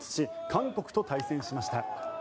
韓国と対戦しました。